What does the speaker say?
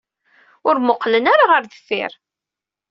Ur mmuqqleɣ ara ɣer deffir.